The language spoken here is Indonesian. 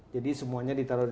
jadi semuanya ditaruh